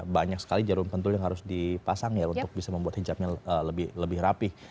banyak sekali jarum pentul yang harus dipasang ya untuk bisa membuat hijabnya lebih rapih